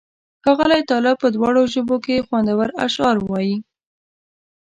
ښاغلی طالب په دواړو ژبو کې خوندور اشعار وایي.